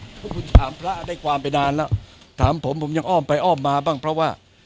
เพราะคุณถามพระได้ความไปนานแล้วถามผมผมยังอ้อมไปอ้อมมาบ้างเพราะว่า